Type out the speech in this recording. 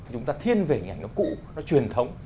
chúng ta thiên về hình ảnh nó cũ nó truyền thống